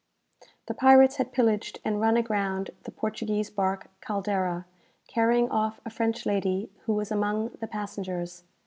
"The pirates had pillaged and run aground the Portuguese bark 'Caldera,' carrying off a French lady, who was among the passengers.